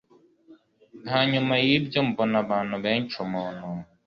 Hanyuma y ibyo mbona abantu benshi umuntu